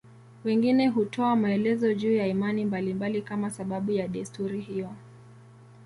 Wengine hutoa maelezo juu ya imani mbalimbali kama sababu ya desturi hiyo.